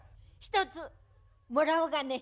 １つもらおうかね。